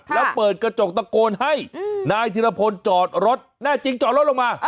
แล้วเปิดกระจกตะโกนให้นายธิรพลจอดรถแน่จริงจอดรถลงมา